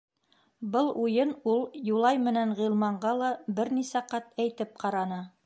Был уйын ул Юлай менән Ғилманға ла бер нисә ҡат әйтеп ҡараны.